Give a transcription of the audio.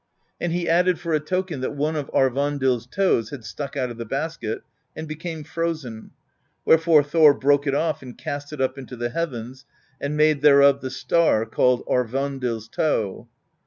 And he added for a token, that one of Aurvandill's toes had stuck out of the basket, and became frozen; wherefore Thor broke it off and cast it up into the heavens, and made thereof the star called Aurvandill's Toe.